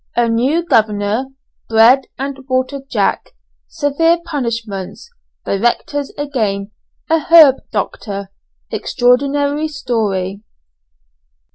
A NEW GOVERNOR BREAD AND WATER JACK SEVERE PUNISHMENTS DIRECTORS AGAIN A HERB DOCTOR EXTRAORDINARY STORY.